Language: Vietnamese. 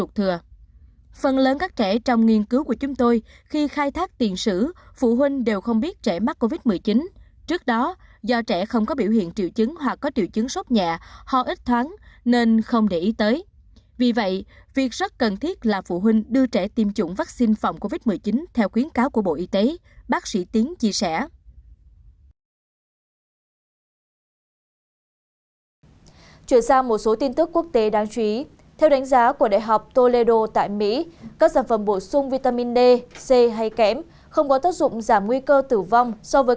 không có tác dụng giảm nguy cơ tử vong so với các bệnh nhân không dùng